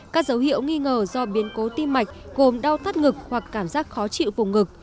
các dấu hiệu nghi ngờ do biến cố tim mạch gồm đau thắt ngực hoặc cảm giác khó chịu vùng ngực